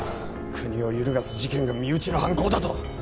国を揺るがす事件が身内の犯行だと？